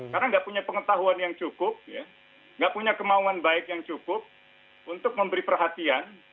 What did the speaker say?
karena nggak punya pengetahuan yang cukup nggak punya kemauan baik yang cukup untuk memberi perhatian